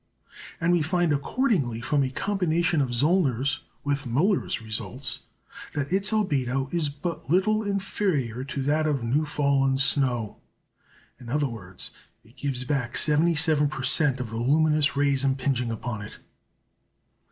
And we find, accordingly, from a combination of Zöllner's with Müller's results, that its albedo is but little inferior to that of new fallen snow; in other words, it gives back 77 per cent. of the luminous rays impinging upon it.